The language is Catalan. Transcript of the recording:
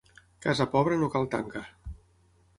Casa pobra, no cal tanca.